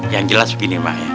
yang jelas begini mak